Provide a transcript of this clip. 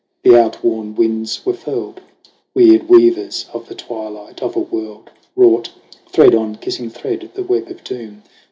The outworn winds were furled. Weird weavers of the twilight of a world Wrought, thread on kissing thread, the web of doom.